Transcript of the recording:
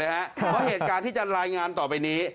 เพราะเหตุการณ์ที่จะรายงานต่อไปนี้